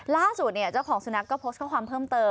ล่าสุดเจ้าของสุนัขก็โพสต์ข้อความเพิ่มเติม